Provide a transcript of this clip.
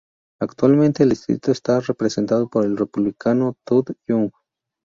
Actualmente el distrito está representado por el Republicano Todd Young.